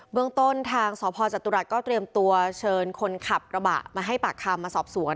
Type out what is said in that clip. เมืองต้นทางสพจตุรัสก็เตรียมตัวเชิญคนขับกระบะมาให้ปากคำมาสอบสวน